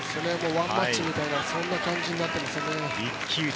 ワンマッチみたいなそういう感じになっていますね。